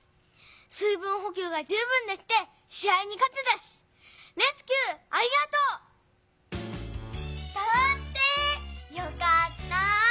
水分ほきゅうが十分できてし合にかてたしレスキューありがとう！だって！よかった！